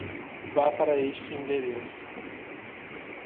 Vá para este endereço.